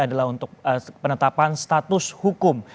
adalah untuk penetapan status hukum